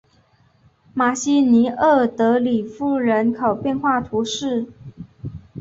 马西尼厄德里夫人口变化图示